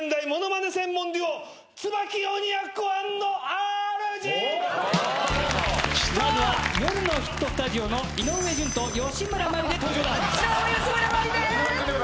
まずは『夜のヒットスタジオ』の井上順と芳村真理で登場だ。